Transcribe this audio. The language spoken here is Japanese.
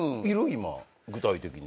今具体的に。